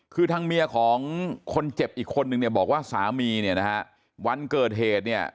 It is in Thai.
คือทางเมียของคนเจ็บอีกคนนึงบอกว่าสามีวันเกิดเหตุเนี่ย